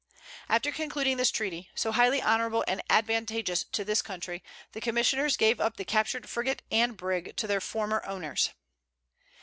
After concluding this treaty, so highly honorable and advantageous to this country, the commissioners gave up the captured frigate and brig, to their former owners.